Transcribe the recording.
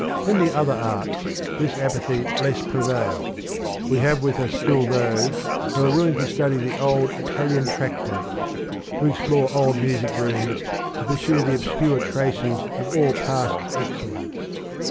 In the other arts, this apathy less prevails : we have with us still those, who are willing to study the old " Italian tractates ", to explore old music rooms, to pursue the obscure traces of all past excel lence.